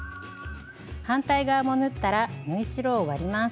反対側も縫ったら縫い代を割ります。